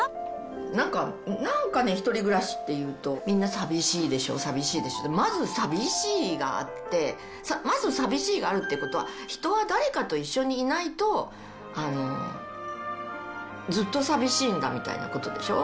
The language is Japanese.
なんか、なんかね、１人暮らしっていうと、みんな寂しいでしょ、寂しいでしょって、まず寂しいがあって、まず寂しいがあるっていうことは、人は誰かと一緒にいないと、ずっと寂しいんだみたいなことでしょう？